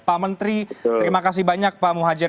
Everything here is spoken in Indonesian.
pak menteri terima kasih banyak pak muhajir